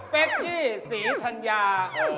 เป๊กจี้ศรีธัญญา